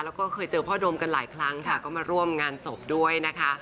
แล้วก็เคยเจอพ่อโดมกันหลายครั้งค่ะก็มาร่วมงานศพด้วยนะคะ